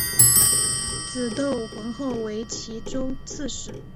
子窦恽后为岐州刺史。